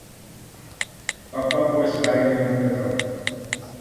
پاپا کو اِس بارے میں مت بتاؤ